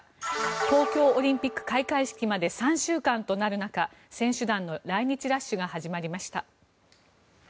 東京オリンピック開会式まで３週間となる中選手団の来日ラッシュが始まりました。